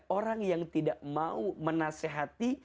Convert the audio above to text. orang yang tidak mau menasehati